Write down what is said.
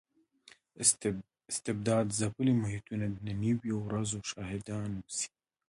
استبداد ځپلي محیطونه نویو ورځو شاهدان اوسي.